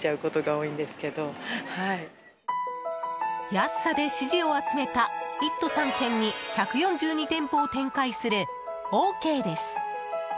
安さで支持を集めた一都三県に１４２店舗を展開するオーケーです。